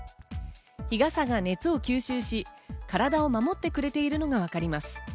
日傘が熱を吸収し、体を守ってくれているのがわかります。